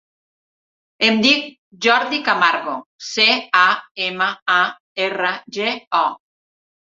Em dic Jordi Camargo: ce, a, ema, a, erra, ge, o.